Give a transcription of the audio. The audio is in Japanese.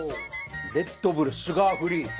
レッドブルシュガーフリー。